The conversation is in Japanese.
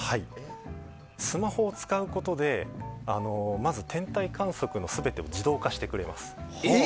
スマホを使うことでまず天体観測の全てを自動化してくれます。